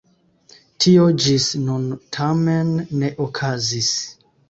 Tio ĝis nun tamen ne okazis.